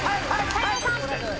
斎藤さん。